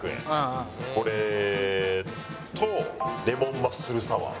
これとレモンマッスルサワー。